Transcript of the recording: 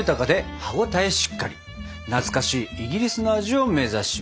懐かしいイギリスの味を目指します！